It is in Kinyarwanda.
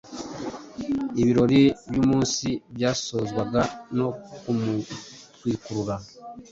ibirori by’umunsi byasozwaga no kumutwikurura,